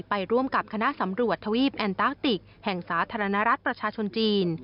ไปร่วมกับคณะสำรวจทวีปแอนตาติกแห่งสาธารณรัฐประชาชนจีน